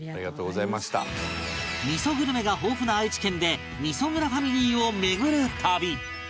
味噌グルメが豊富な愛知県で味噌蔵ファミリーを巡る旅